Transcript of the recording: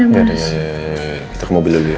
kita ke mobil dulu ya